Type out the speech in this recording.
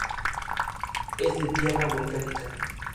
Fernanda inició en la música desde una temprana edad.